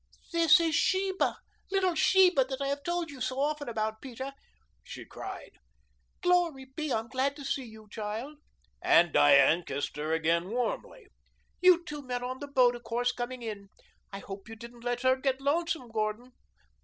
"This is Sheba little Sheba that I have told you so often about, Peter," she cried. "Glory be, I'm glad to see you, child." And Diane kissed her again warmly. "You two met on the boat, of course, coming in, I hope you didn't let her get lonesome, Gordon.